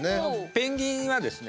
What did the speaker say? ペンギンはですね